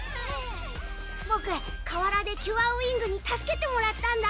ボク河原でキュアウィングに助けてもらったんだ！